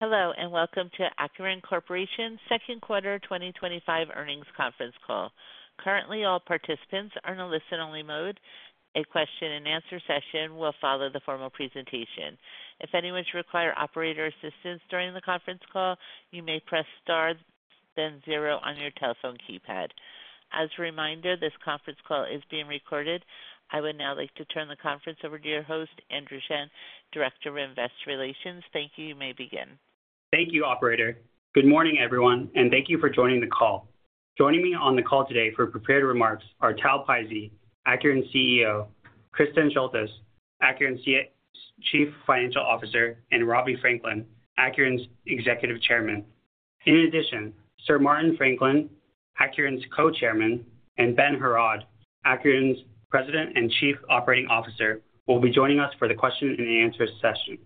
Hello and welcome to Acuren Corporation's Second Quarter 2025 Earnings Conference Call. Currently, all participants are in a listen-only mode. A question and answer session will follow the formal presentation. If anyone should require operator assistance during the conference call, you may press star, then zero on your telephone keypad. As a reminder, this conference call is being recorded. I would now like to turn the conference over to your host, Andrew Shen, Director of Investor Relations. Thank you. You may begin. Thank you, Operator. Good morning, everyone, and thank you for joining the call. Joining me on the call today for prepared remarks are Tal Pizzey, Acuren CEO, Kristin Schultes, Acuren's Chief Financial Officer, and Robbie Franklin, Acuren's Executive Chairman. In addition, Sir Martin Franklin, Acuren's Co-Chairman, and Ben Heraud, Acuren's President and Chief Operating Officer, will be joining us for the question and answer session.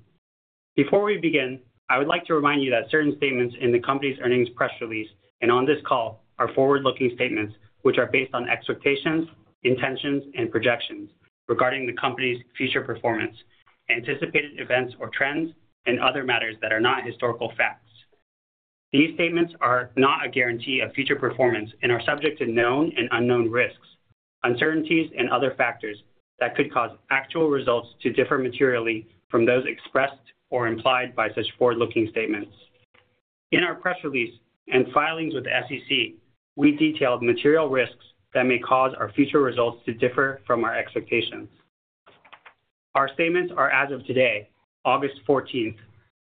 Before we begin, I would like to remind you that certain statements in the company's earnings press release and on this call are forward-looking statements, which are based on expectations, intentions, and projections regarding the company's future performance, anticipated events or trends, and other matters that are not historical facts. These statements are not a guarantee of future performance and are subject to known and unknown risks, uncertainties, and other factors that could cause actual results to differ materially from those expressed or implied by such forward-looking statements. In our press release and filings with the SEC, we detailed material risks that may cause our future results to differ from our expectations. Our statements are as of today, August 14th,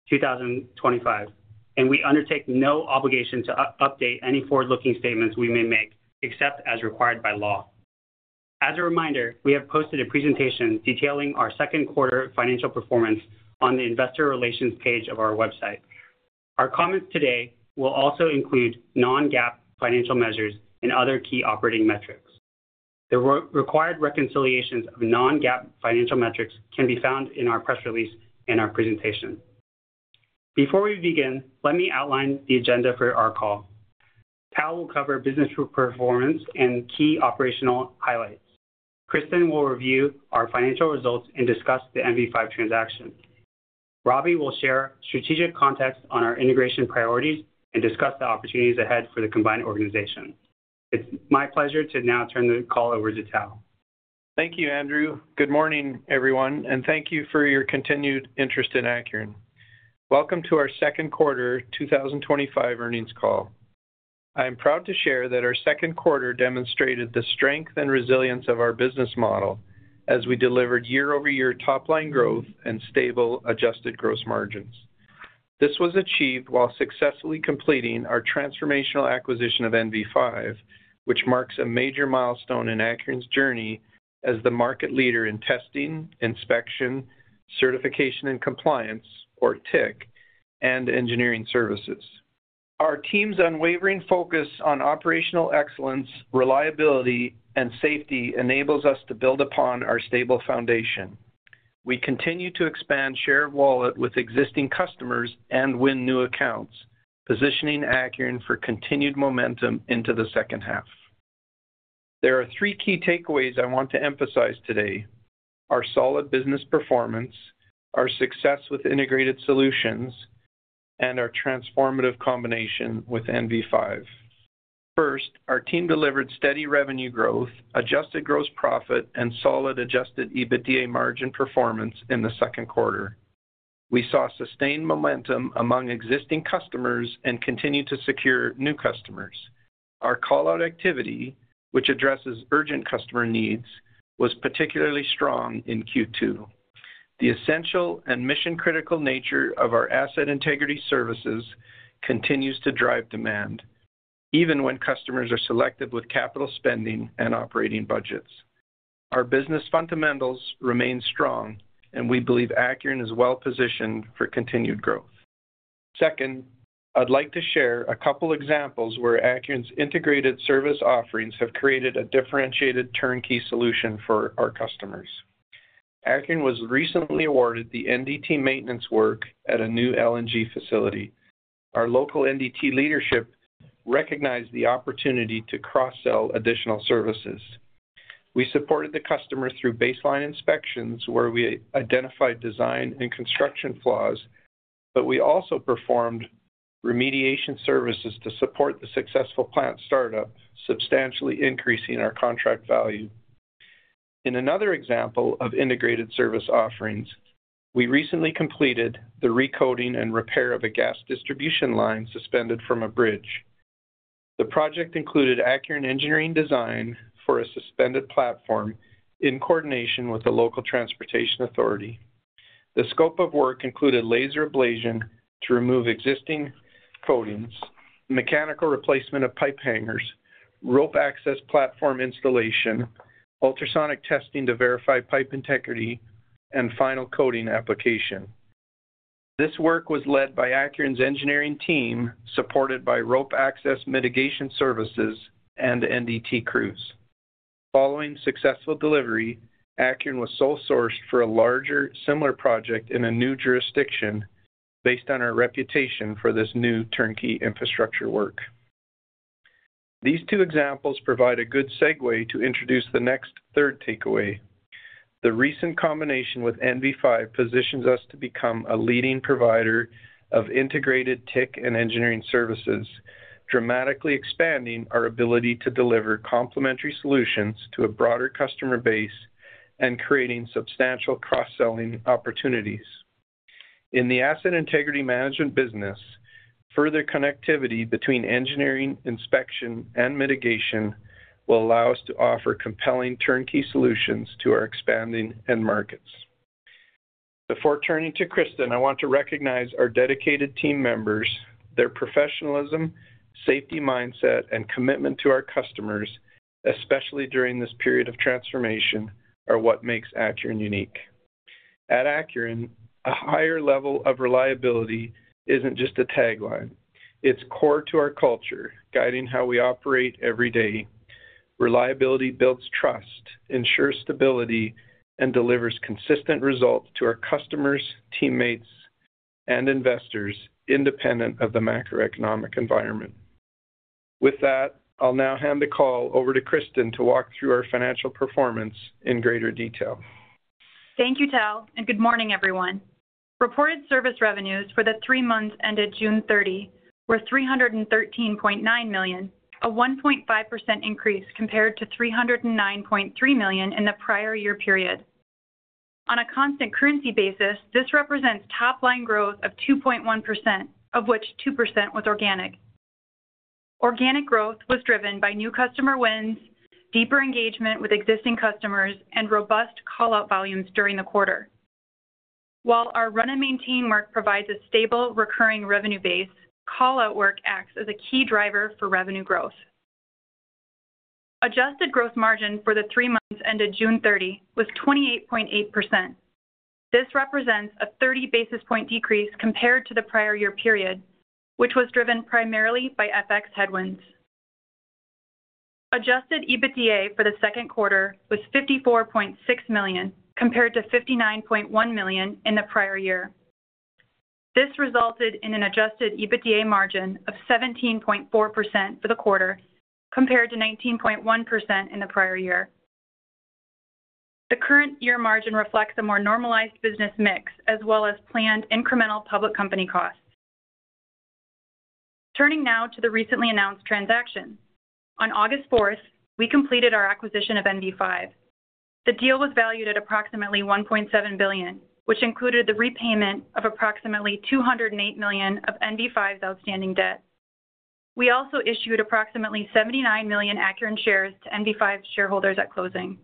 2025, and we undertake no obligation to update any forward-looking statements we may make except as required by law. As a reminder, we have posted a presentation detailing our second quarter financial performance on the Investor Relations page of our website. Our comments today will also include non-GAAP financial measures and other key operating metrics. The required reconciliations of non-GAAP financial metrics can be found in our press release and our presentation. Before we begin, let me outline the agenda for our call. Tal will cover business performance and key operational highlights. Kristin will review our financial results and discuss the MV5 transaction. Robbie will share strategic context on our integration priorities and discuss the opportunities ahead for the combined organization. It's my pleasure to now turn the call over to Tal. Thank you, Andrew. Good morning, everyone, and thank you for your continued interest in Acuren. Welcome to our second quarter 2025 earnings call. I am proud to share that our second quarter demonstrated the strength and resilience of our business model as we delivered year-over-year top-line growth and stable adjusted gross margins. This was achieved while successfully completing our transformational acquisition of MV5, which marks a major milestone in Acuren's journey as the market leader in testing, inspection, certification, and compliance, or TIC, and engineering services. Our team's unwavering focus on operational excellence, reliability, and safety enables us to build upon our stable foundation. We continue to expand share of wallet with existing customers and win new accounts, positioning Acuren for continued momentum into the second half. There are three key takeaways I want to emphasize today: our solid business performance, our success with integrated solutions, and our transformative combination with MV5. First, our team delivered steady revenue growth, adjusted gross profit, and solid adjusted EBITDA margin performance in the second quarter. We saw sustained momentum among existing customers and continue to secure new customers. Our call-out activity, which addresses urgent customer needs, was particularly strong in Q2. The essential and mission-critical nature of our asset integrity services continues to drive demand, even when customers are selective with capital spending and operating budgets. Our business fundamentals remain strong, and we believe Acuren is well-positioned for continued growth. Second, I'd like to share a couple of examples where Acuren's integrated service offerings have created a differentiated turnkey solution for our customers. Acuren was recently awarded the NDT maintenance work at a new LNG facility. Our local NDT leadership recognized the opportunity to cross-sell additional services. We supported the customers through baseline inspections where we identified design and construction flaws, but we also performed remediation services to support the successful plant startup, substantially increasing our contract value. In another example of integrated service offerings, we recently completed the recoating and repair of a gas distribution line suspended from a bridge. The project included Acuren engineering design for a suspended platform in coordination with the local transportation authority. The scope of work included laser ablation to remove existing coatings, mechanical replacement of pipe hangers, rope access platform installation, ultrasonic testing to verify pipe integrity, and final coating application. This work was led by Acuren's engineering team, supported by rope access mitigation services and NDT crews. Following successful delivery, Acuren was sole sourced for a larger similar project in a new jurisdiction based on our reputation for this new turnkey infrastructure work. These two examples provide a good segue to introduce the next third takeaway. The recent combination with MV5 positions us to become a leading provider of integrated TIC and engineering services, dramatically expanding our ability to deliver complementary solutions to a broader customer base and creating substantial cross-selling opportunities. In the asset integrity management business, further connectivity between engineering, inspection, and mitigation will allow us to offer compelling turnkey solutions to our expanding end markets. Before turning to Kristin, I want to recognize our dedicated team members. Their professionalism, safety mindset, and commitment to our customers, especially during this period of transformation, are what makes Acuren unique. At Acuren, a higher level of reliability isn't just a tagline. It's core to our culture, guiding how we operate every day. Reliability builds trust, ensures stability, and delivers consistent results to our customers, teammates, and investors, independent of the macroeconomic environment. With that, I'll now hand the call over to Kristin to walk through our financial performance in greater detail. Thank you, Tal, and good morning, everyone. Reported service revenues for the three months ended June 30 were $313.9 million, a 1.5% increase compared to $309.3 million in the prior year period. On a constant currency basis, this represents top-line growth of 2.1%, of which 2% was organic. Organic growth was driven by new customer wins, deeper engagement with existing customers, and robust call-out volumes during the quarter. While our run-and-maintain work provides a stable recurring revenue base, call-out work acts as a key driver for revenue growth. Adjusted gross margin for the three months ended June 30 was 28.8%. This represents a 30 basis point decrease compared to the prior year period, which was driven primarily by FX headwinds. Adjusted EBITDA for the second quarter was $54.6 million compared to $59.1 million in the prior year. This resulted in an adjusted EBITDA margin of 17.4% for the quarter compared to 19.1% in the prior year. The current year margin reflects a more normalized business mix as well as planned incremental public company costs. Turning now to the recently announced transaction. On August 4th, we completed our acquisition of MV5. The deal was valued at approximately $1.7 billion, which included the repayment of approximately $208 million of MV5's outstanding debt. We also issued approximately 79 million Acuren shares to MV5's shareholders at closing.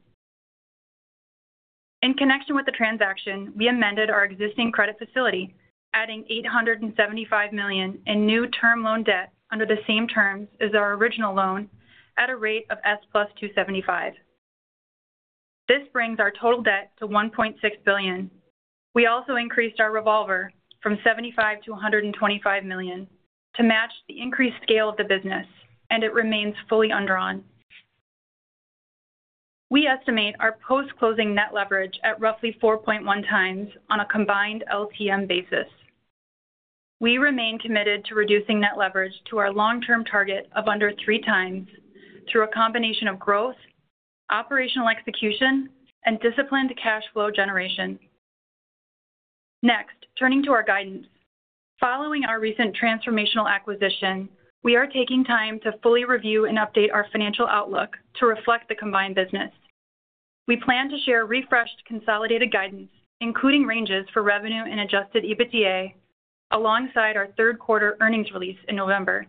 In connection with the transaction, we amended our existing credit facility, adding $875 million in new term loan debt under the same terms as our original loan at a rate of S plus 275. This brings our total debt to $1.6 billion. We also increased our revolver from $75 million-$125 million to match the increased scale of the business, and it remains fully underwritten. We estimate our post-closing net leverage at roughly 4.1x on a combined LTM basis. We remain committed to reducing net leverage to our long-term target of under 3x through a combination of growth, operational execution, and disciplined cash flow generation. Next, turning to our guidance. Following our recent transformational acquisition, we are taking time to fully review and update our financial outlook to reflect the combined business. We plan to share refreshed consolidated guidance, including ranges for revenue and adjusted EBITDA, alongside our third quarter earnings release in November.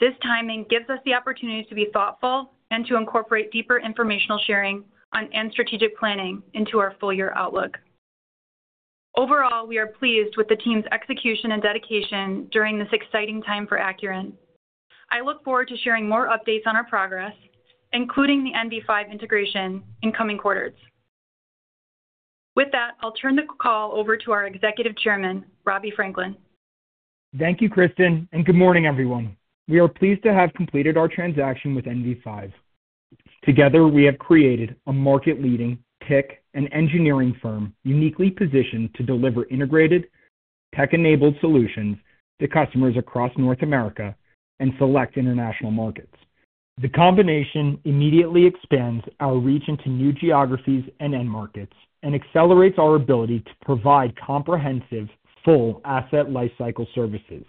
This timing gives us the opportunity to be thoughtful and to incorporate deeper informational sharing and strategic planning into our full year outlook. Overall, we are pleased with the team's execution and dedication during this exciting time for Acuren. I look forward to sharing more updates on our progress, including the MV5 integration in coming quarters. With that, I'll turn the call over to our Executive Chairman, Robbie Franklin. Thank you, Kristin, and good morning, everyone. We are pleased to have completed our transaction with MV5. Together, we have created a market-leading TIC and engineering firm uniquely positioned to deliver integrated tech-enabled solutions to customers across North America and select international markets. The combination immediately expands our reach into new geographies and end markets and accelerates our ability to provide comprehensive, full asset lifecycle services.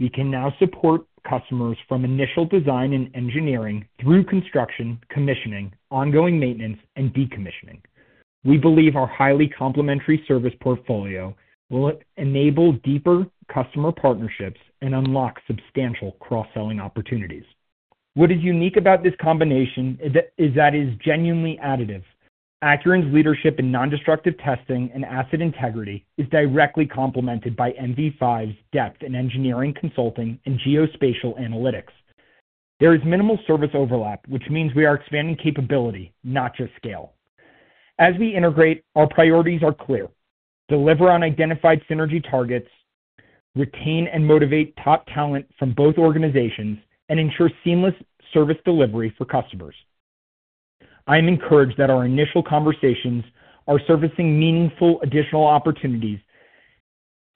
We can now support customers from initial design and engineering through construction, commissioning, ongoing maintenance, and decommissioning. We believe our highly complementary service portfolio will enable deeper customer partnerships and unlock substantial cross-selling opportunities. What is unique about this combination is that it is genuinely additive. Acuren's leadership in nondestructive testing and asset integrity is directly complemented by MV5's depth in engineering consulting and geospatial analytics. There is minimal service overlap, which means we are expanding capability, not just scale. As we integrate, our priorities are clear: deliver on identified synergy targets, retain and motivate top talent from both organizations, and ensure seamless service delivery for customers. I am encouraged that our initial conversations are surfacing meaningful additional opportunities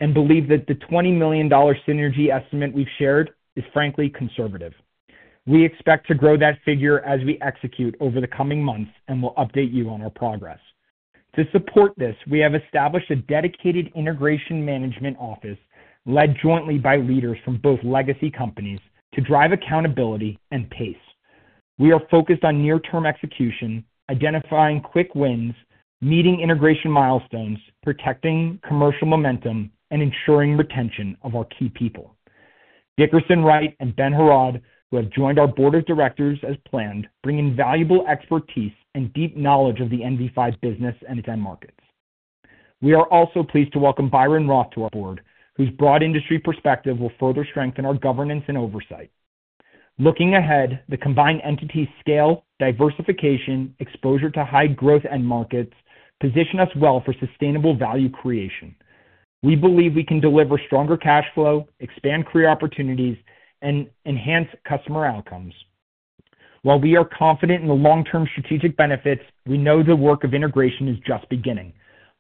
and believe that the $20 million synergy estimate we've shared is frankly conservative. We expect to grow that figure as we execute over the coming months and will update you on our progress. To support this, we have established a dedicated integration management office led jointly by leaders from both legacy companies to drive accountability and pace. We are focused on near-term execution, identifying quick wins, meeting integration milestones, protecting commercial momentum, and ensuring retention of our key people. Dickerson Wright and Ben Heraud, who have joined our board of directors as planned, bring invaluable expertise and deep knowledge of the MV5 business and its end markets. We are also pleased to welcome Byron Roth to our board, whose broad industry perspective will further strengthen our governance and oversight. Looking ahead, the combined entity's scale, diversification, and exposure to high growth end markets position us well for sustainable value creation. We believe we can deliver stronger cash flow, expand career opportunities, and enhance customer outcomes. While we are confident in the long-term strategic benefits, we know the work of integration is just beginning.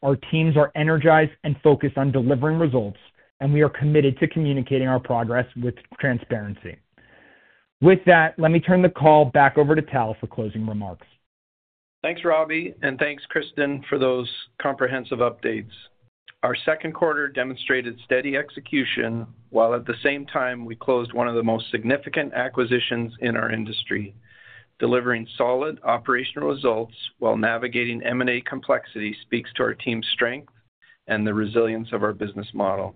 Our teams are energized and focused on delivering results, and we are committed to communicating our progress with transparency. With that, let me turn the call back over to Tal for closing remarks. Thanks, Robbie, and thanks, Kristin, for those comprehensive updates. Our second quarter demonstrated steady execution while, at the same time, we closed one of the most significant acquisitions in our industry. Delivering solid operational results while navigating M&A complexity speaks to our team's strength and the resilience of our business model.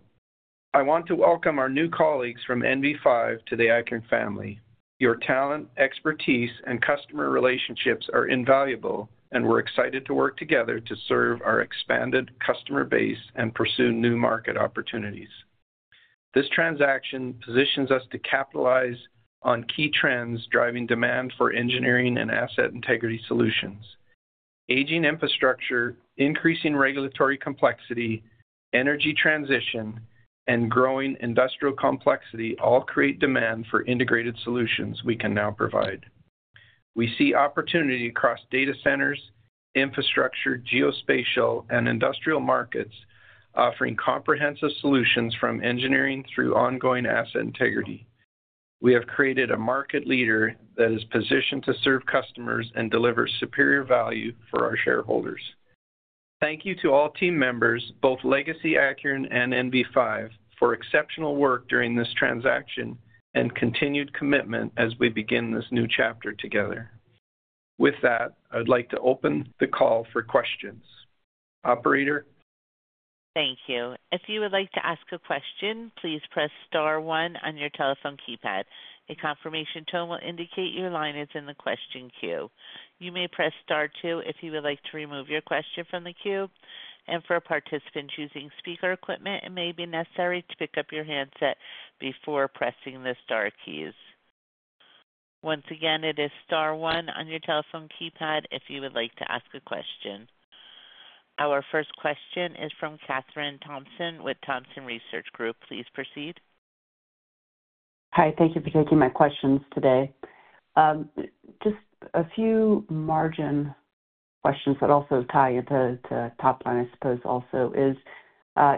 I want to welcome our new colleagues from MV5 to the Acuren family. Your talent, expertise, and customer relationships are invaluable, and we're excited to work together to serve our expanded customer base and pursue new market opportunities. This transaction positions us to capitalize on key trends driving demand for engineering and asset integrity solutions. Aging infrastructure, increasing regulatory complexity, energy transition, and growing industrial complexity all create demand for integrated solutions we can now provide. We see opportunity across data centers, infrastructure, geospatial, and industrial markets, offering comprehensive solutions from engineering through ongoing asset integrity. We have created a market leader that is positioned to serve customers and deliver superior value for our shareholders. Thank you to all team members, both legacy Acuren and MV5, for exceptional work during this transaction and continued commitment as we begin this new chapter together. With that, I'd like to open the call for questions. Operator? Thank you. If you would like to ask a question, please press star one on your telephone keypad. A confirmation tone will indicate your line is in the question queue. You may press star two if you would like to remove your question from the queue. For a participant choosing speaker equipment, it may be necessary to pick up your handset before pressing the star keys. Once again, it is star one on your telephone keypad if you would like to ask a question. Our first question is from Kathryn Thompson with Thompson Research Group. Please proceed. Hi. Thank you for taking my questions today. Just a few margin questions that also tie into the top line, I suppose, is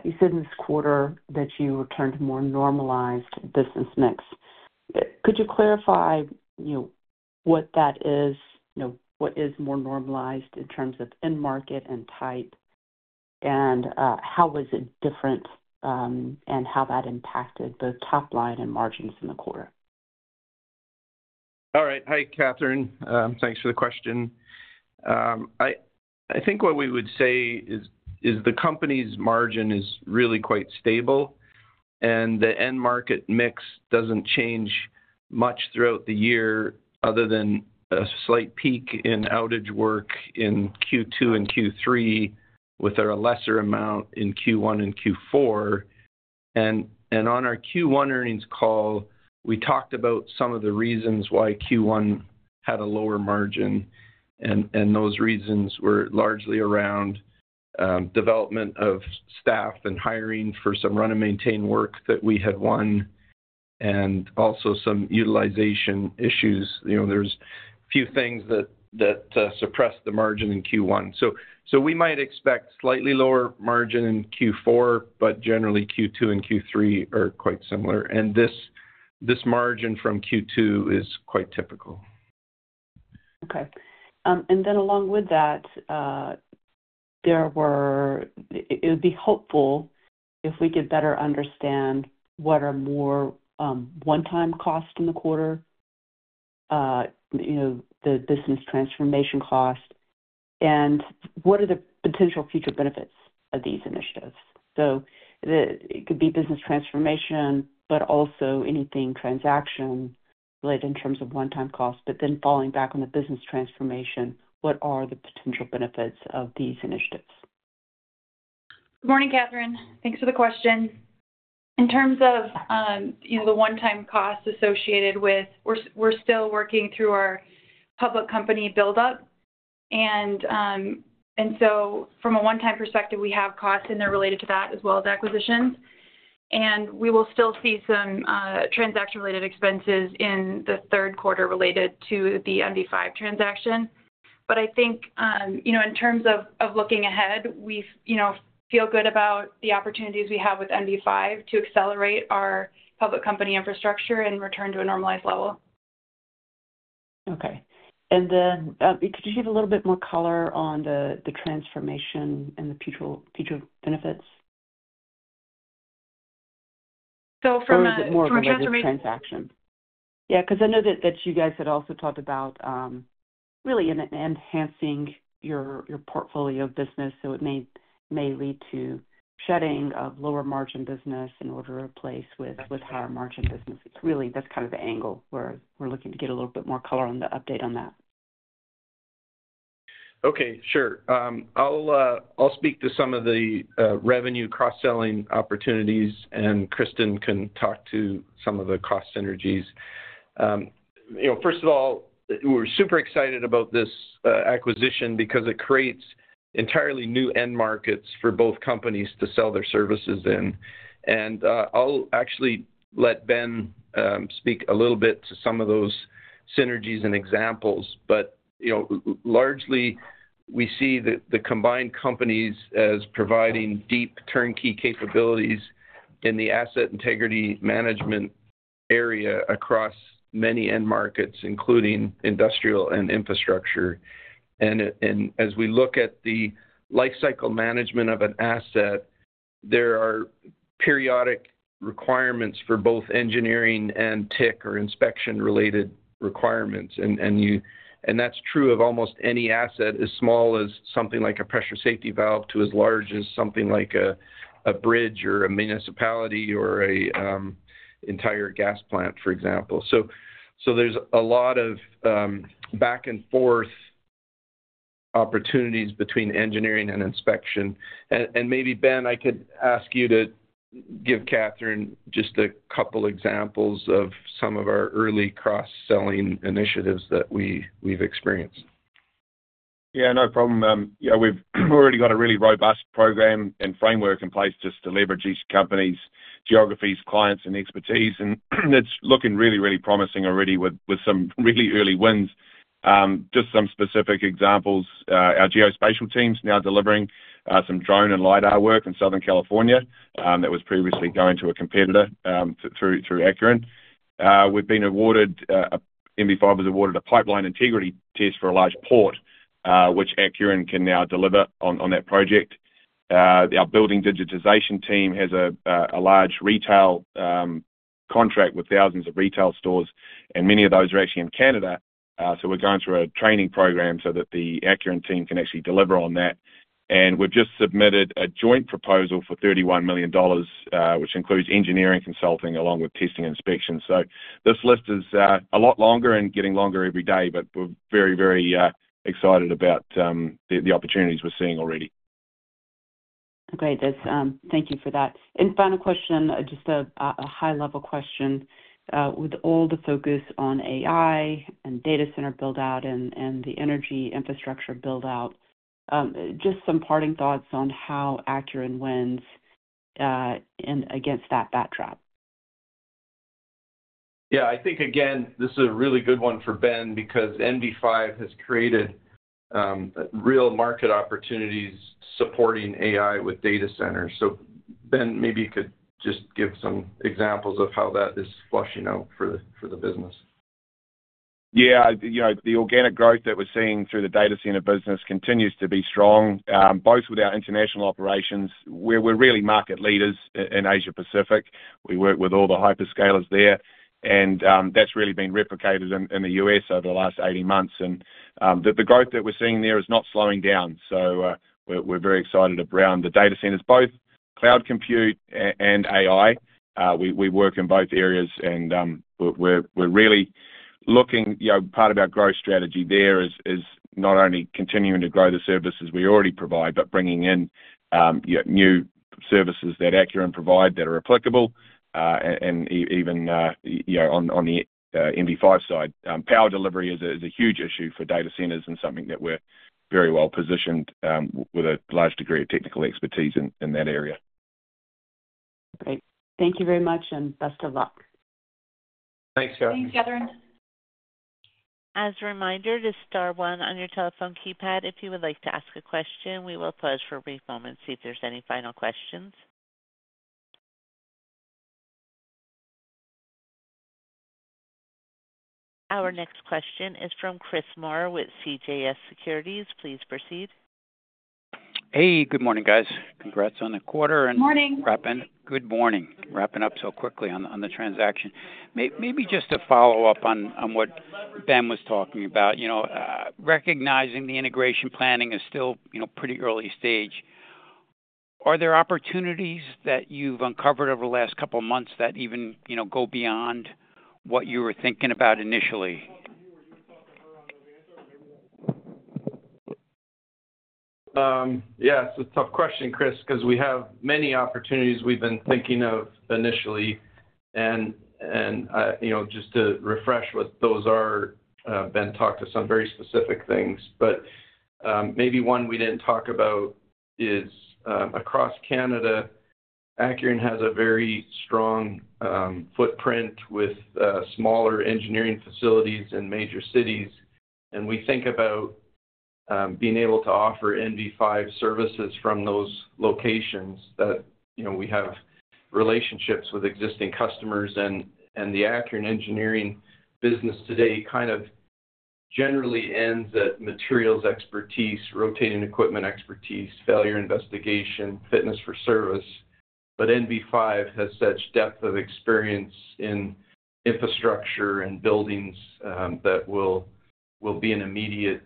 you said in this quarter that you returned to a more normalized business mix. Could you clarify what that is? What is more normalized in terms of end market and type? How was it different and how that impacted both top line and margins in the quarter? All right. Hi, Kathryn. Thanks for the question. I think what we would say is the company's margin is really quite stable, and the end market mix doesn't change much throughout the year other than a slight peak in outage work in Q2 and Q3 with a lesser amount in Q1 and Q4. On our Q1 earnings call, we talked about some of the reasons why Q1 had a lower margin, and those reasons were largely around development of staff and hiring for some run-and-maintain work that we had won and also some utilization issues. There are a few things that suppressed the margin in Q1. We might expect slightly lower margin in Q4, but generally, Q2 and Q3 are quite similar. This margin from Q2 is quite typical. Okay. It would be helpful if we could better understand what are more one-time costs in the quarter, you know, the business transformation cost, and what are the potential future benefits of these initiatives. It could be business transformation, but also anything transaction-related in terms of one-time costs. Falling back on the business transformation, what are the potential benefits of these initiatives? Good morning, Kathryn. Thanks for the question. In terms of the one-time costs associated with we're still working through our public company buildup. From a one-time perspective, we have costs in there related to that as well as acquisitions. We will still see some transaction-related expenses in the third quarter related to the MV5 transaction. I think in terms of looking ahead, we feel good about the opportunities we have with MV5 to accelerate our public company infrastructure and return to a normalized level. Okay, could you give a little bit more color on the transformation and the future benefits? From a transaction. Yeah, because I know that you guys had also talked about really enhancing your portfolio of business. It may lead to shedding of lower margin business in order to replace with higher margin business. That's kind of the angle where we're looking to get a little bit more color on the update on that. Okay. Sure. I'll speak to some of the revenue cross-selling opportunities, and Kristin can talk to some of the cost synergies. First of all, we're super excited about this acquisition because it creates entirely new end markets for both companies to sell their services in. I'll actually let Ben speak a little bit to some of those synergies and examples. Largely, we see the combined companies as providing deep turnkey capabilities in the asset integrity management area across many end markets, including industrial and infrastructure. As we look at the lifecycle management of an asset, there are periodic requirements for both engineering and TIC or inspection-related requirements. That's true of almost any asset, as small as something like a pressure safety valve to as large as something like a bridge or a municipality or an entire gas plant, for example. There's a lot of back-and-forth opportunities between engineering and inspection. Maybe, Ben, I could ask you to give Kathryn just a couple of examples of some of our early cross-selling initiatives that we've experienced. Yeah, no problem. We've already got a really robust program and framework in place just to leverage each company's geographies, clients, and expertise. It's looking really, really promising already with some really early wins. Just some specific examples, our geospatial team is now delivering some drone and LIDAR work in Southern California that was previously going to a competitor through Acuren. We've been awarded—MV5 was awarded a pipeline integrity test for a large port, which Acuren can now deliver on that project. Our building digitization team has a large retail contract with thousands of retail stores, and many of those are actually in Canada. We're going through a training program so that the Acuren team can actually deliver on that. We've just submitted a joint proposal for $31 million, which includes engineering consulting along with testing and inspections. This list is a lot longer and getting longer every day, but we're very, very excited about the opportunities we're seeing already. Agreed. Thank you for that. Final question, just a high-level question. With all the focus on AI and data center build-out and the energy infrastructure build-out, just some parting thoughts on how Acuren wins against that backdrop. Yeah, I think this is a really good one for Ben because MV5 has created real market opportunities supporting AI with data centers. Ben, maybe you could just give some examples of how that is flushing out for the business. Yeah, you know, the organic growth that we're seeing through the data center business continues to be strong, both with our international operations. We're really market leaders in Asia-Pacific. We work with all the hyperscalers there, and that's really been replicated in the U.S. over the last 80 months. The growth that we're seeing there is not slowing down. We're very excited around the data centers, both cloud compute and AI. We work in both areas, and we're really looking, you know, part of our growth strategy there is not only continuing to grow the services we already provide, but bringing in, you know, new services that Acuren provides that are applicable. Even, you know, on the MV5 side, power delivery is a huge issue for data centers and something that we're very well positioned with a large degree of technical expertise in that area. Great. Thank you very much, and best of luck. Thanks, guys. Thanks, Kathryn. As a reminder, it is star one on your telephone keypad. If you would like to ask a question, we will pause for a brief moment to see if there's any final questions. Our next question is from Chris Moore with CJS Securities. Please proceed. Hey, good morning, guys. Congrats on the quarter. Morning. Good morning. Wrapping up so quickly on the transaction. Maybe just a follow-up on what Ben was talking about. Recognizing the integration planning is still pretty early stage, are there opportunities that you've uncovered over the last couple of months that even go beyond what you were thinking about initially? Yeah, it's a tough question, Chris, because we have many opportunities we've been thinking of initially. Just to refresh what those are, Ben talked to some very specific things. Maybe one we didn't talk about is across Canada, Acuren has a very strong footprint with smaller engineering facilities in major cities. We think about being able to offer MV5 services from those locations that, you know, we have relationships with existing customers. The Acuren engineering business today kind of generally ends at materials expertise, rotating equipment expertise, failure investigation, fitness for service. MV5 has such depth of experience in infrastructure and buildings that will be an immediate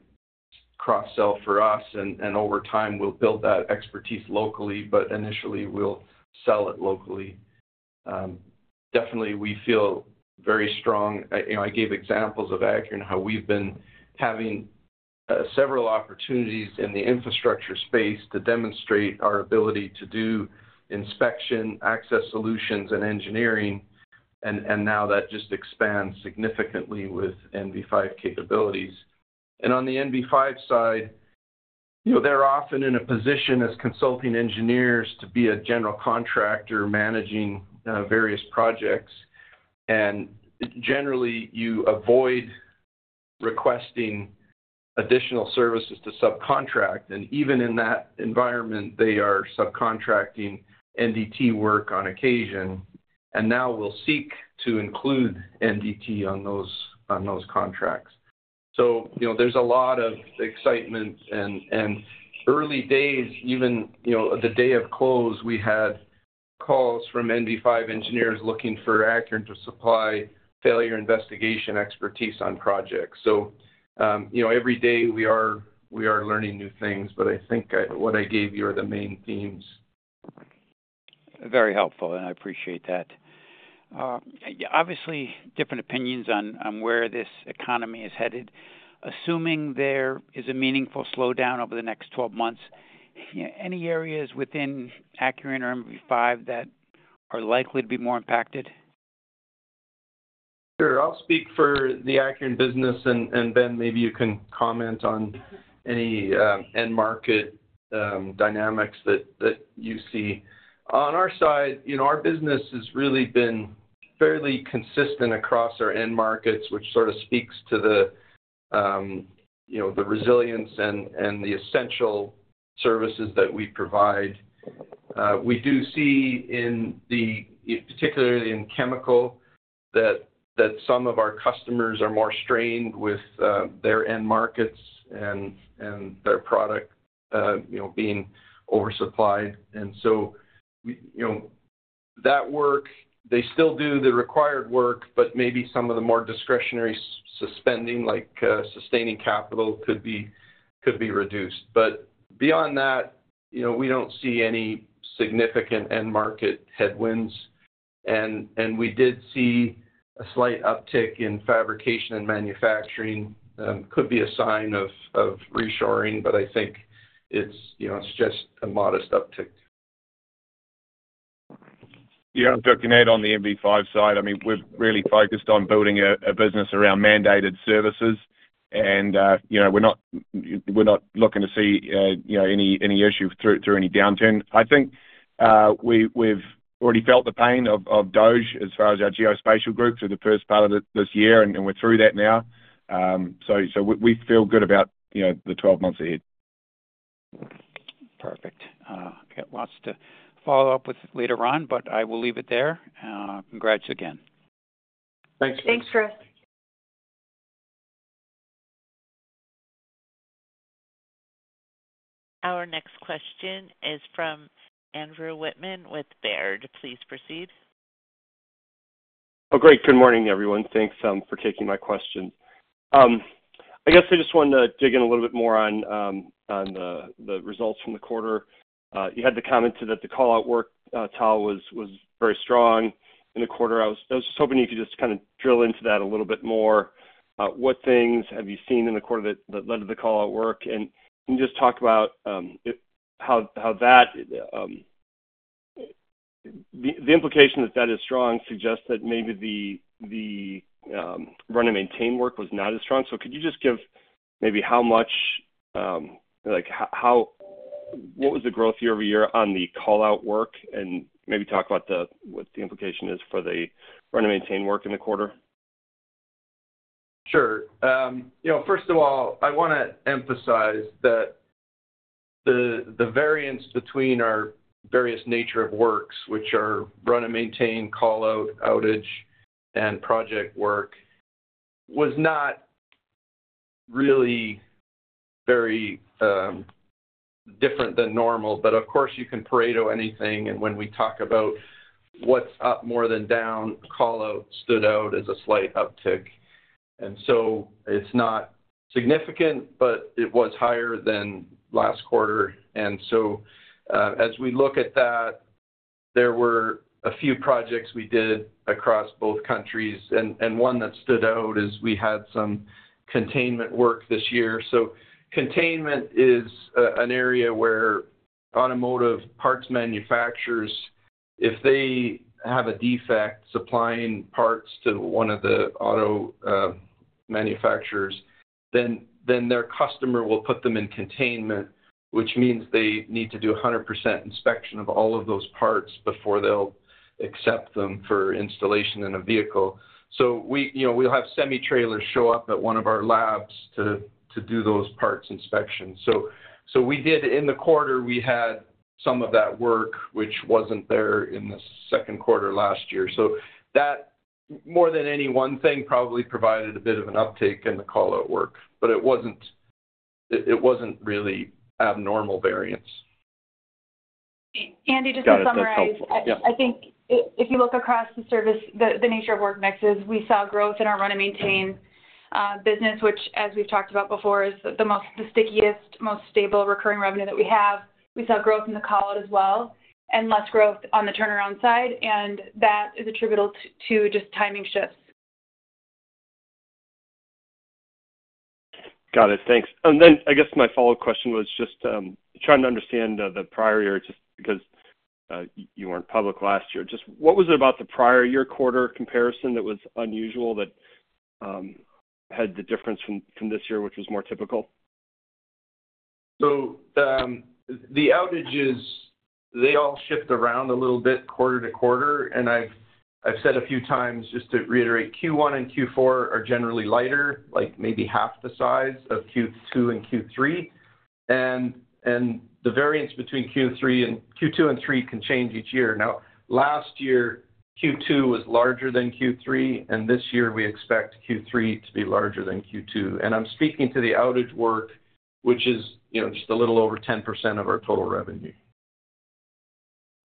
cross-sell for us. Over time, we'll build that expertise locally, but initially, we'll sell it locally. Definitely, we feel very strong. I gave examples of Acuren, how we've been having several opportunities in the infrastructure space to demonstrate our ability to do inspection, access solutions, and engineering. That just expands significantly with MV5 capabilities. On the MV5 side, they're often in a position as consulting engineers to be a general contractor managing various projects. Generally, you avoid requesting additional services to subcontract. Even in that environment, they are subcontracting nondestructive testing work on occasion. Now we'll seek to include nondestructive testing on those contracts. There's a lot of excitement. Early days, even the day of close, we had calls from MV5 engineers looking for Acuren to supply failure investigation expertise on projects. Every day we are learning new things, but I think what I gave you are the main themes. Very helpful, and I appreciate that. Obviously, different opinions on where this economy is headed. Assuming there is a meaningful slowdown over the next 12 months, any areas within Acuren or MV5 that are likely to be more impacted? Sure. I'll speak for the Acuren business, and Ben, maybe you can comment on any end market dynamics that you see. On our side, our business has really been fairly consistent across our end markets, which speaks to the resilience and the essential services that we provide. We do see, particularly in chemical, that some of our customers are more strained with their end markets and their product being oversupplied. That work, they still do the required work, but maybe some of the more discretionary spending, like sustaining capital, could be reduced. Beyond that, we don't see any significant end market headwinds. We did see a slight uptick in fabrication and manufacturing. It could be a sign of reshoring, but I think it's just a modest uptick. Yeah, I'm talking out on the MV5 side. I mean, we're really focused on building a business around mandated services. We're not looking to see any issue through any downturn. I think we've already felt the pain of, as far as our geospatial group through the first part of this year, and we're through that now. We feel good about the 12 months ahead. Perfect. I can't wait to follow up with you later on, but I will leave it there. Congrats again. Thanks. Thanks, Chris. Our next question is from Andrew Wittmann with Baird. Please proceed. Oh, great. Good morning, everyone. Thanks for taking my question. I guess I just wanted to dig in a little bit more on the results from the quarter. You had the comment that the call-out work, Tao, was very strong in the quarter. I was just hoping you could just kind of drill into that a little bit more. What things have you seen in the quarter that led to the call-out work? Can you just talk about how the implication that that is strong suggests that maybe the run-and-maintain work was not as strong? Could you just give maybe how much, like, what was the growth year-over-year on the call-out work and maybe talk about what the implication is for the run-and-maintain work in the quarter? Sure. First of all, I want to emphasize that the variance between our various nature of works, which are run-and-maintain, call-out, outage, and project work, was not really very different than normal. Of course, you can parade anything. When we talk about what's up more than down, call-out stood out as a slight uptick. It's not significant, but it was higher than last quarter. As we look at that, there were a few projects we did across both countries. One that stood out is we had some containment work this year. Containment is an area where automotive parts manufacturers, if they have a defect supplying parts to one of the auto manufacturers, then their customer will put them in containment, which means they need to do 100% inspection of all of those parts before they'll accept them for installation in a vehicle. We will have semi-trailers show up at one of our labs to do those parts inspections. In the quarter, we had some of that work, which wasn't there in the second quarter last year. That, more than any one thing, probably provided a bit of an uptick in the call-out work. It wasn't really abnormal variance. Andy, just to summarize, I think if you look across the service, the nature of work next is we saw growth in our run-and-maintain business, which, as we've talked about before, is the stickiest, most stable recurring revenue that we have. We saw growth in the call-out as well, and less growth on the turnaround side. That is attributable to just timing shifts. Got it. Thanks. I guess my follow-up question was just trying to understand the prior year just because you weren't public last year. What was it about the prior year quarter comparison that was unusual that had the difference from this year, which was more typical? The outages all shift around a little bit quarter to quarter. I've said a few times, just to reiterate, Q1 and Q4 are generally lighter, like maybe half the size of Q2 and Q3. The variance between Q2 and Q3 can change each year. Last year, Q2 was larger than Q3, and this year, we expect Q3 to be larger than Q2. I'm speaking to the outage work, which is just a little over 10% of our total revenue.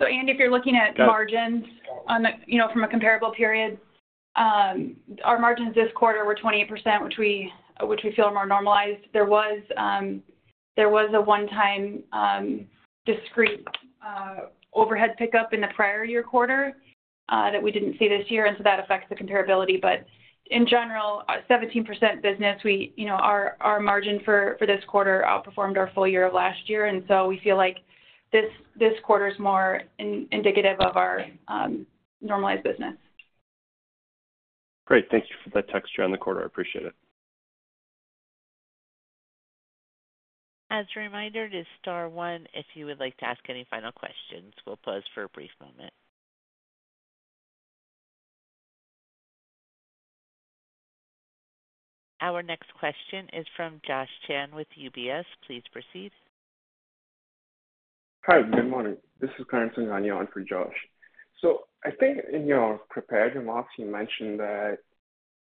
If you're looking at margins on the, you know, from a comparable period, our margins this quarter were 28%, which we feel are more normalized. There was a one-time discrete overhead pickup in the prior year quarter that we didn't see this year, and that affects the comparability. In general, 17% business, you know, our margin for this quarter outperformed our full year of last year, and we feel like this quarter is more indicative of our normalized business. Great. Thank you for that texture on the quarter. I appreciate it. As a reminder, it is star one if you would like to ask any final questions. We'll pause for a brief moment. Our next question is from Josh Chan with UBS. Please proceed. Hi. Good morning. This is Karandeep Singhania on for Josh. In your prepared remarks, you mentioned that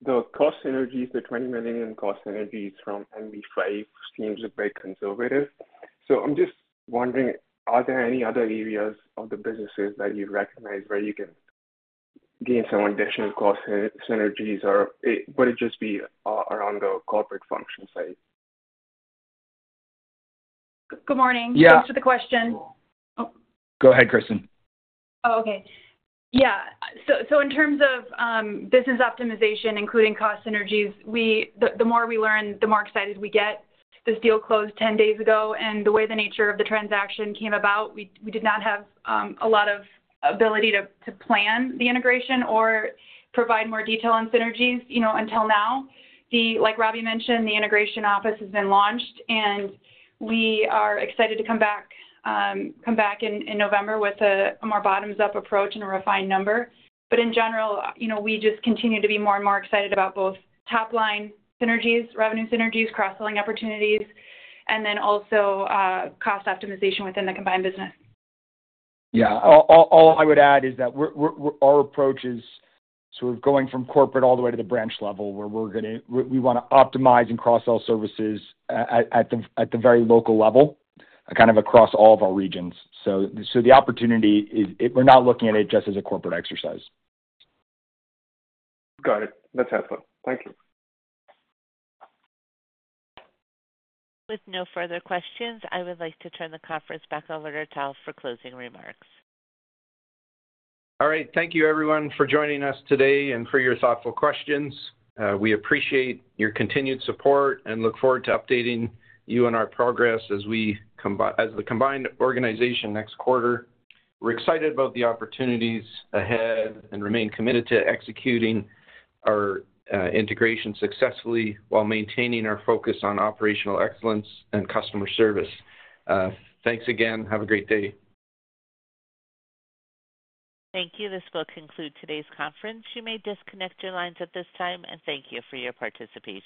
the cost synergies, the $20 million cost synergies from MV5, seem to be pretty conservative. I'm just wondering, are there any other areas of the businesses that you recognize where you can gain some additional cost synergies? Would it just be around the corporate function side? Good morning. Yes, to the question. Go ahead, Kristin. Okay. Yeah. In terms of business optimization, including cost synergies, the more we learn, the more excited we get. This deal closed 10 days ago. The way the nature of the transaction came about, we did not have a lot of ability to plan the integration or provide more detail on synergies until now. Like Robbie mentioned, the integration management office has been launched, and we are excited to come back in November with a more bottoms-up approach and a refined number. In general, we just continue to be more and more excited about both top-line synergies, revenue synergies, cross-selling opportunities, and also cost optimization within the combined business. Yeah. All I would add is that our approach is going from corporate all the way to the branch level, where we want to optimize and cross-sell services at the very local level, across all of our regions. The opportunity is we're not looking at it just as a corporate exercise. Got it. That's helpful. Thank you. With no further questions, I would like to turn the conference back over to Tal for closing remarks. All right. Thank you, everyone, for joining us today and for your thoughtful questions. We appreciate your continued support and look forward to updating you on our progress as we come, as the combined organization next quarter. We're excited about the opportunities ahead and remain committed to executing our integration successfully while maintaining our focus on operational excellence and customer service. Thanks again. Have a great day. Thank you. This will conclude today's conference. You may disconnect your lines at this time, and thank you for your participation.